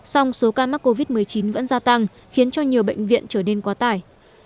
song số ca mắc covid một mươi chín vẫn gia tăng khiến cho nhiều bệnh viện trở nên quá tải